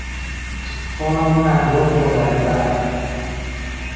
توفان همراه با رعد و برق